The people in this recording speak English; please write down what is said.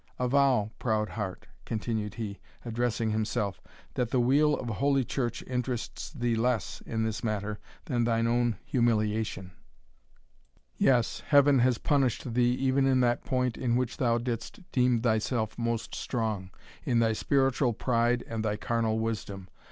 Avow, proud heart," continued he, addressing himself, "that the weal of Holy Church interests thee less in this matter than thine own humiliation Yes, Heaven has punished thee even in that point in which thou didst deem thyself most strong, in thy spiritual pride and thy carnal wisdom.